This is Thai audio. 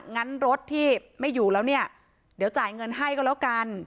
งั้นรถที่ไม่อยู่แล้วเนี่ยเดี๋ยวจ่ายเงินให้ก็แล้วกัน